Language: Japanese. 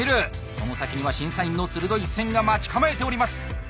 その先には審査員の鋭い視線が待ち構えております。